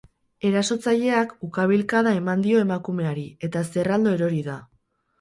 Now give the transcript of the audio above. Erasotzaileak ukabilkada eman dio emakumeari, eta zerraldo erori da.